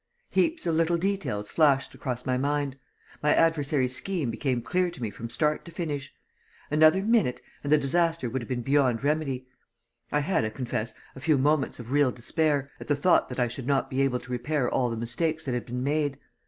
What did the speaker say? Heaps of little details flashed across my mind. My adversary's scheme became clear to me from start to finish. Another minute ... and the disaster would have been beyond remedy. I had, I confess, a few moments of real despair, at the thought that I should not be able to repair all the mistakes that had been made.